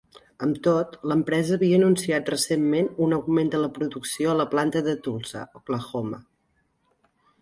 Amb tot, l'empresa havia anunciat recentment un augment de la producció a la planta de Tulsa, Oklahoma.